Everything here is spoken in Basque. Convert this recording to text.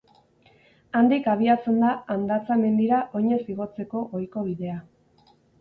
Handik abiatzen da Andatza mendira oinez igotzeko ohiko bidea.